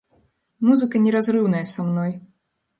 Музыка не разрыўная са мной.